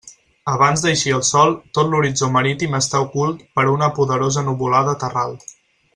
Abans d'eixir el sol tot l'horitzó marítim està ocult per una poderosa nuvolada terral.